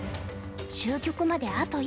終局まであと１手。